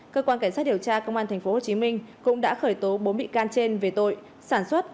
cơ quan cảnh sát điều tra công an tp hcm cũng đã khởi tố bốn bị can trên về tội sản xuất